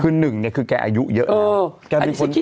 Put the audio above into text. คือ๑เนี่ยคือแกอายุเยอะ